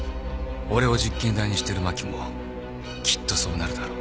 俺を実験台にしてる真木もきっとそうなるだろう。